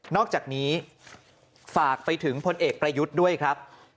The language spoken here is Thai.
อกจากนี้ฝากไปถึงพลเอกประยุทธ์ด้วยครับ